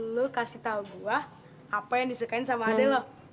lo kasih tau gue apa yang disukain sama ade lo